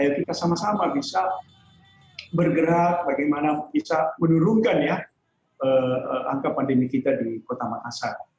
kita sama sama bisa bergerak bagaimana bisa menurunkan ya angka pandemi kita di kota makassar